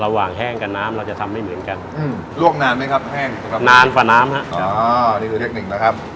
แห้งกับน้ำเราจะทำไม่เหมือนกันลวกนานไหมครับแห้งนะครับนานกว่าน้ำฮะนี่คือเทคนิคนะครับ